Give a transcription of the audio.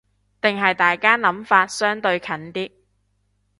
定係大家諗法相對近啲